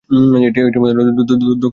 এটি প্রধানতঃ দক্ষিণ-পূর্ব এশিয়ায় জন্মে।